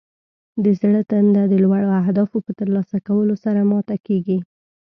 د زړه تنده د لوړو اهدافو په ترلاسه کولو سره ماته کیږي.